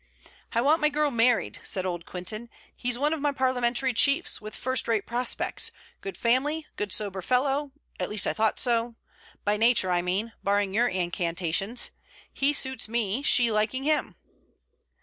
'I want my girl married,' said old Quintin. 'He's one of my Parliamentary chiefs, with first rate prospects; good family, good sober fellow at least I thought so; by nature, I mean; barring your incantations. He suits me, she liking him.'